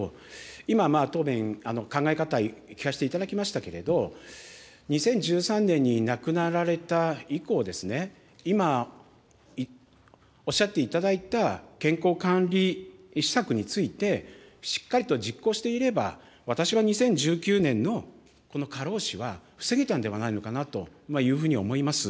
今、答弁、考え方、聞かせていただきましたけれど、２０１３年に亡くなられた以降ですね、今おっしゃっていただいた健康管理施策について、しっかりと実行していれば、私は２０１９年のこの過労死は防げたんではないのかなというふうに思います。